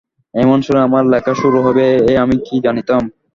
এমন সুরে আমার লেখা শুরু হইবে এ আমি কি জানিতাম।